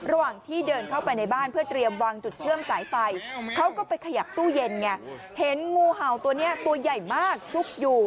ระหว่างที่เดินเข้าไปในบ้านเพื่อเตรียมวางจุดเชื่อมสายไฟเขาก็ไปขยับตู้เย็นไงเห็นงูเห่าตัวนี้ตัวใหญ่มากซุกอยู่